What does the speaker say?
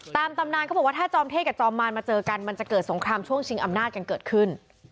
ตำนานเขาบอกว่าถ้าจอมเทศกับจอมมานมาเจอกันมันจะเกิดสงครามช่วงชิงอำนาจกันเกิดขึ้น